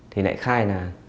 thì lại khai là